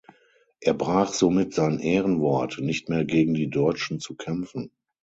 Er brach somit sein Ehrenwort, nicht mehr gegen die Deutschen zu kämpfen.